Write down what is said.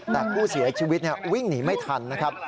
แต่ผู้เสียชีวิตวิ่งหนีไม่ทันนะครับ